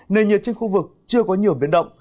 nền nhiệt trên khu vực chưa có nhiều biến động